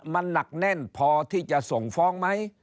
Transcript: มันหนักแน่นพอที่จะส่งฟ้องไหม